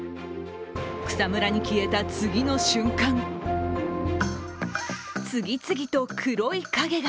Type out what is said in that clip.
草むらに消えた次の瞬間、次々と黒い影が。